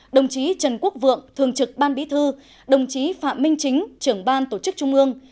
đồng chí trần quốc vượng thường trực ban bí thư đồng chí phạm minh chính trưởng ban tổ chức trung ương